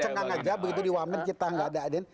tercengang saja begitu diwamin kita tidak ada adin